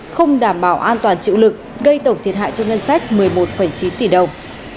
không đảm bảo an toàn chịu lực gây tổng thiệt hại cho ngân sách một mươi một chín tỷ đồng